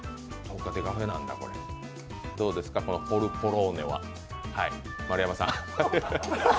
どうですか、ポルボローネは丸山さん。